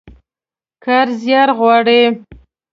کار زيار غواړي.